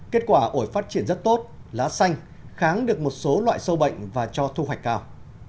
kết quả ổi phát triển rất tốt lá xanh kháng được một số loại sâu bệnh và cho thu hoạch cao